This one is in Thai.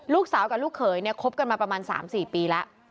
ลูกสาวกับลูกเขยเนี่ยคบกันมาประมาณ๓๔ปีแล้ว